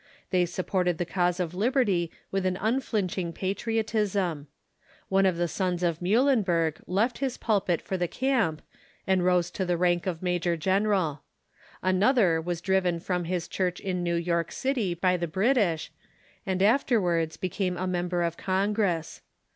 They supported the cause of liberty Avith an unflinching During the patriotism. One of the sons of Muhlenberfj left his Revolution ^^ pulpit for the camp, and rose to the rank of major general. Another was driven from his church in New York City by the British, and afterwards became a member of Con gress.